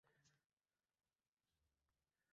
Iymonni nafsimga har dam tuzoq qil